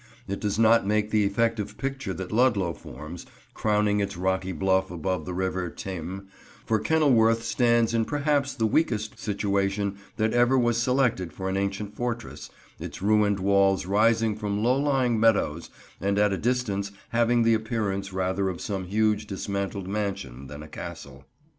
It does not make the effective picture that Ludlow forms, crowning its rocky bluff above the river Teme; for Kenilworth stands in perhaps the weakest situation that ever was selected for an ancient fortress, its ruined walls rising from low lying meadows, and at a distance having the appearance rather of some huge dismantled mansion than a castle.